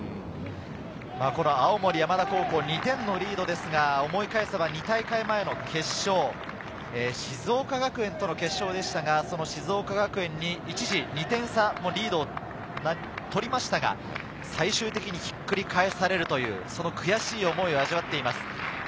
青森山田高校２点のリードですが、思い返せば２大会前の決勝、静岡学園との決勝でしたが、その静岡学園に一時２点差、リードを取りましたが、最終的にひっくり返されるという悔しい思いを味わっています。